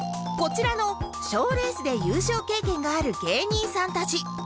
こちらの賞レースで優勝経験がある芸人さんたち